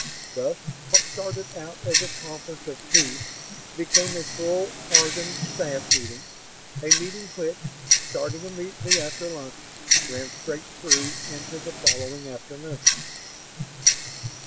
Thus, what started out as a conference of two became a full Ardan staff meeting; a meeting which, starting immediately after lunch, ran straight through into the following afternoon.